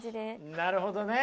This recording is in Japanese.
なるほどね。